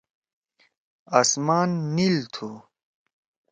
آسمان نیِل تُھو